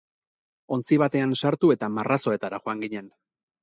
Ontzi batean sartu eta marrazoetara joan ginen.